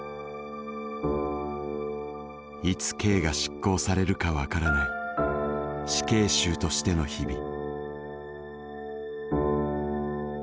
いつ刑が執行されるかわからない死刑囚としての日々。